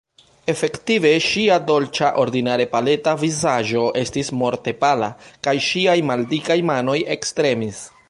Efektive ŝia dolĉa, ordinare paleta vizaĝo estis morte pala, kaj ŝiaj maldikaj manoj ektremis.